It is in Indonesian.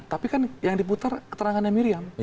tapi kan yang diputar keterangannya miriam